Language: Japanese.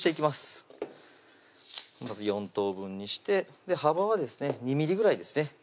まず４等分にして幅はですね２ｍｍぐらいですね